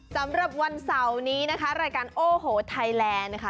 สำหรับวันเสาร์นี้นะคะรายการโอ้โหไทยแลนด์นะคะ